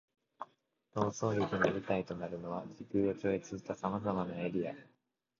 逃走劇の舞台となるのは、時空を超越した様々なエリア。